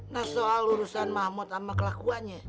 nah soal urusan mahmud sama kelakuannya